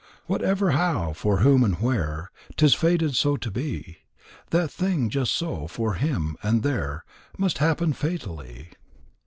Whatever, how, for whom, and where 'Tis fated so to be, That thing, just so, for him, and there Must happen fatally.